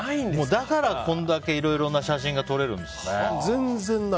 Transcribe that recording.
だからいろいろな写真が撮れるんですね。